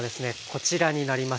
こちらになります。